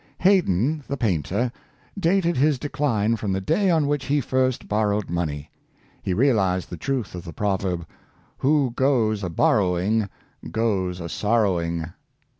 Haydon, the painter, dated his decline from the day on which he first borrowed money. He realized the truth of the proverb, " Who goes a bor rowing, goes a sorrowing."